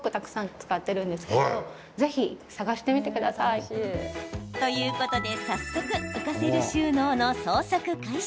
ここの家の中でということで、早速浮かせる収納の捜索開始。